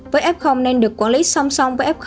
với f nên được quản lý song song với f